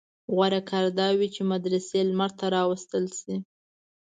غوره کار دا وي چې مدرسې لمر ته راوایستل شي.